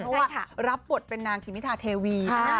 เพราะว่ารับบทเป็นนางกิมิทาเทวี